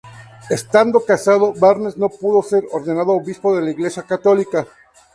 Estando casado, Barnes no puedo ser ordenado obispo de la Iglesia católica.